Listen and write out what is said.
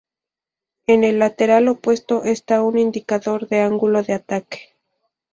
En el lateral opuesto está un indicador de ángulo de ataque.